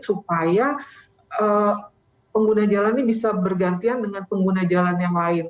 supaya pengguna jalan ini bisa bergantian dengan pengguna jalan